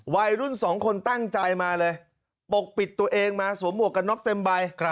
วัยรุ่นสองคนตั้งใจมาเลยปกปิดตัวเองมาสวมหมวกกันน็อกเต็มใบ